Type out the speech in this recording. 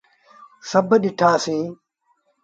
سڀ ڏٺآ سيٚيٚن۔